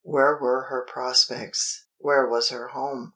Where were her prospects? Where was her home?